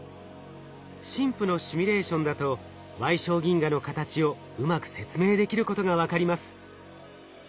ＳＩＭＰのシミュレーションだと矮小銀河の形をうまく説明できることが分かります。